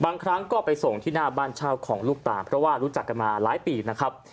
บางครั้งก็ไปส่งที่หน้าบ้านเช่าของลูกตาเพราะว่ารู้จักกันมาหลายปีนะครับ